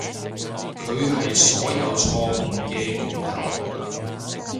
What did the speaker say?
佢係所有錯誤嘅源頭